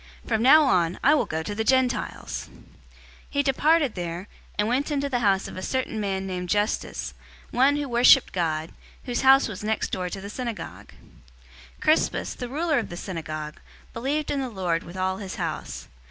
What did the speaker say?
From now on, I will go to the Gentiles!" 018:007 He departed there, and went into the house of a certain man named Justus, one who worshiped God, whose house was next door to the synagogue. 018:008 Crispus, the ruler of the synagogue, believed in the Lord with all his house.